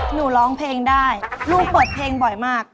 หนูร้องเพลงได้ลูกเปิดเพลงบ่อยมาก